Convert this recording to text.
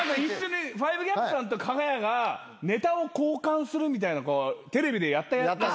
５ＧＡＰさんとかが屋がネタを交換するみたいなテレビでやった。